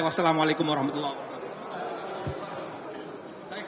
wassalamu alaikum warahmatullahi wabarakatuh